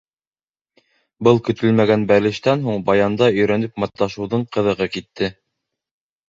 Был көтөлмәгән бәрелештән һуң, баянда өйрәнеп маташыуҙың ҡыҙығы китте.